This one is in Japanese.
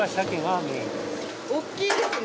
大きいですね。